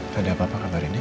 gak ada apa apa kabarin ya